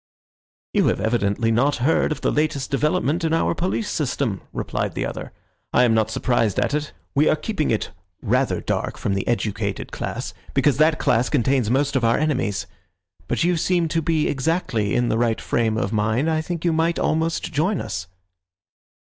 "You have evidently not heard of the latest development in our police system," replied the other. "I am not surprised at it. We are keeping it rather dark from the educated class, because that class contains most of our enemies. But you seem to be exactly in the right frame of mind. I think you might almost join us."